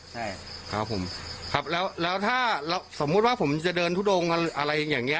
ใช่ครับผมครับแล้วแล้วถ้าสมมุติว่าผมจะเดินทุดงอะไรอย่างเงี้